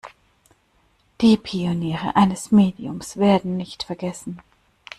Die Pioniere eines Mediums werden nicht vergessen.